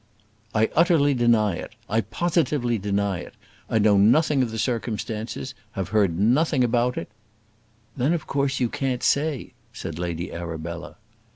"I utterly deny it. I positively deny it. I know nothing of the circumstances; have heard nothing about it " "Then of course you can't say," said Lady Arabella.